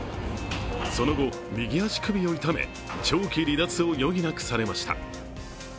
その後、右足首を痛め、長期離脱を余儀なくされました。